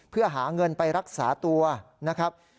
เพื่อหาเงินไปรักษาตัวนะครับ